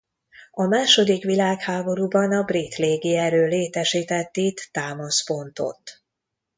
A második világháborúban a brit légierő létesített itt támaszpontot.